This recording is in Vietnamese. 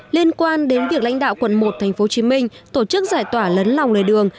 liên quan đến việc lãnh đạo quận một tp hcm tổ chức giải tỏa lấn lòng lề đường